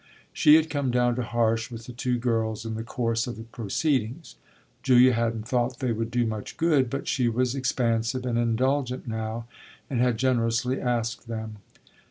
She had come down to Harsh with the two girls in the course of the proceedings. Julia hadn't thought they would do much good, but she was expansive and indulgent now and had generously asked them.